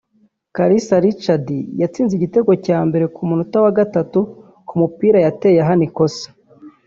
Kalisa Rachid yatsinze igitego cya mbere ku munota wa gatatu ku mupira yateye ahana ikosa